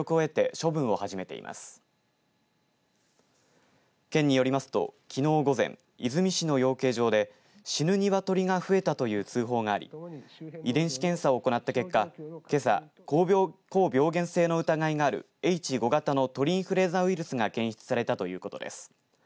県によりますと、きのう午前出水市の養鶏場で死ぬ鶏が増えたという通報があり遺伝子検査を行った結果けさ、高病原性の疑いがあるＨ５型の鳥インフルエンザウイルスが検出されたということです。